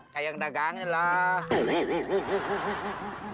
kayak yang dagangnya lah